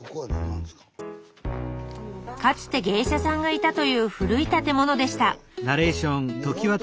かつて芸者さんがいたという古い建物でした。